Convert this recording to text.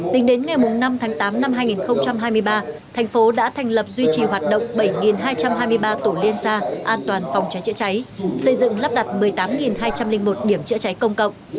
tính đến ngày năm tháng tám năm hai nghìn hai mươi ba thành phố đã thành lập duy trì hoạt động bảy hai trăm hai mươi ba tổ liên gia an toàn phòng cháy chữa cháy xây dựng lắp đặt một mươi tám hai trăm linh một điểm chữa cháy công cộng